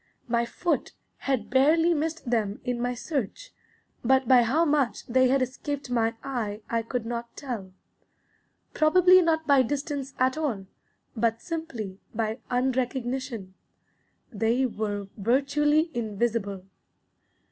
My foot had barely missed them in my search, but by how much they had escaped my eye I could not tell. Probably not by distance at all, but simply by unrecognition. They were virtually invisible.